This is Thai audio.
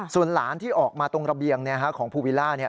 ส่วนหลานที่ออกมาตรงระเบียงของภูวิลล่า